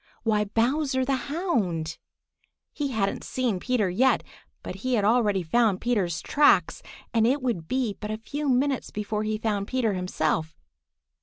Why, Bowser the Hound! He hadn't seen Peter yet, but he had already found Peter's tracks, and it wouldn't be but a few minutes before he found Peter himself.